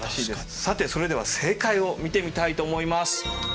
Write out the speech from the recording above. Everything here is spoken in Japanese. さてそれでは正解を見てみたいと思います。